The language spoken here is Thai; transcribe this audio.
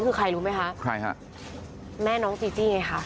คือใครรู้ไหมคะใครฮะแม่น้องจีจี้ไงคะ